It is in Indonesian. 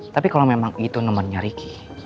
tapi kalau memang itu nomornya riki